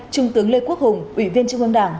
trung tướng lê quốc hùng ủy viên trung ương đảng